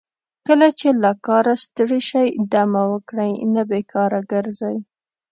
کله چې له کاره ستړي شئ دمه وکړئ نه بیکاره ګرځئ.